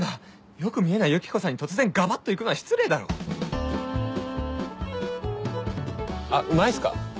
よく見えないユキコさんに突然ガバっと行くのは失礼だろ！あっうまいっすか？